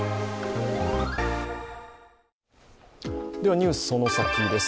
ニュースそのサキです。